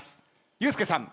ユースケさん